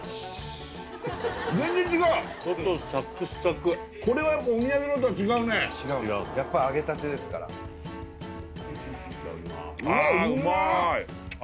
全然違う外サクサクこれはやっぱお土産のとは違うね違うんですやっぱ揚げたてですからああうまいうわ